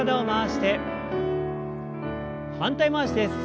反対回しです。